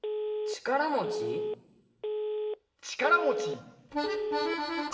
「ちからもちちからもち」